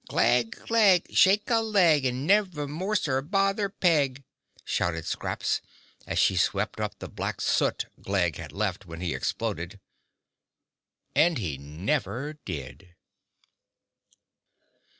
"Glegg, Glegg, shake a leg And never more, Sir, bother Peg!" shouted Scraps, as she swept up the black soot Glegg had left when he exploded. And he never did.